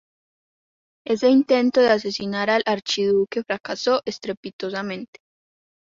Ese intento de asesinar al archiduque fracasó estrepitosamente.